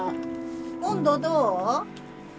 温度どう？